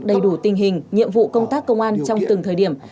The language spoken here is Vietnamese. đầy đủ tình hình nhiệm vụ công tác công an trong từng thời điểm